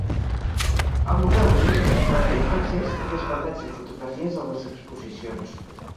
El museu és atípic perquè és d'accés i es permet fer fotografies a les exposicions.